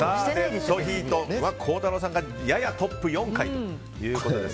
孝太郎さんがややトップ、４回ということで。